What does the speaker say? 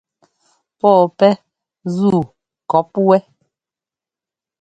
Pɔɔ pɛ́ ńzuu ŋkɔɔp wɛ.